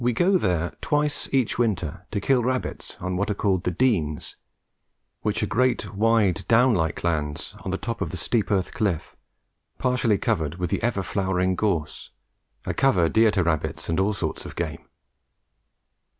We go there twice each winter to kill rabbits on what are called the "Denes," which are great, wide, down like lands on the top of the steep earth cliff, partially covered with the ever flowering gorse, a cover dear to rabbits and all sorts of game.